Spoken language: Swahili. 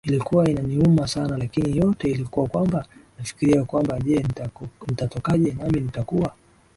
ilikuwa inaniuma sana Lakini yote ilikuwa kwamba nafikiria kwamba je nitatokaje Nami nitakuwa